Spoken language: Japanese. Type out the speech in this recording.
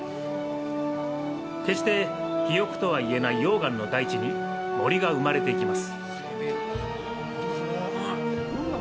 決して肥沃とは言えない溶岩の大地に森が生まれていきます。